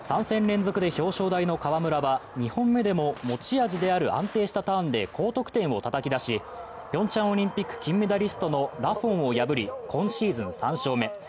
３戦連続で表彰台の川村は２本目でも持ち味である安定したターンで高得点をたたき出し、ピョンチャンオリンピック金メダリストのラフォンを破り今シーズン３勝目。